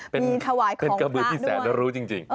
เป็นกระบือที่แสนรู้จริง